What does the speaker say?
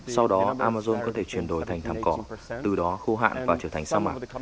sau đó amazon có thể chuyển đổi thành thảm cỏ từ đó khô hạn và trở thành sa mạc